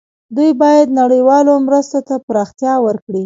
دوی باید نړیوالو مرستو ته پراختیا ورکړي.